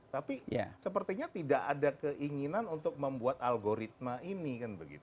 tapi sepertinya tidak ada keinginan untuk membuat algoritma ini